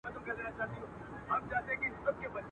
رندان سنګسار ته یوسي دوی خُمونه تښتوي.